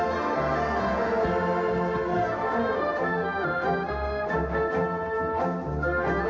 สวัสดีครับ